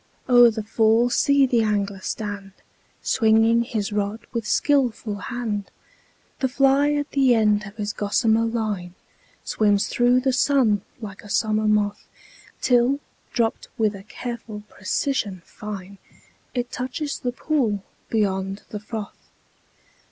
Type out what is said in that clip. o'er the fall see the angler stand, Swinging his rod with skilful hand; The fly at the end of his gossamer line Swims through the sun like a summer moth, Till, dropt with a careful precision fine, It touches the pool beyond the froth.